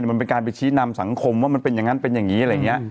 มันเป็นการไปชี้นำสังคมว่ามันเป็นอย่างนั้นเป็นอย่างนี้อะไรอย่างนี้